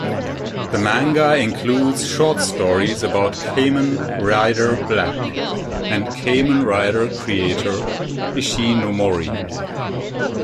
The manga includes short stories about Kamen Rider Black and Kamen Rider creator Ishinomori.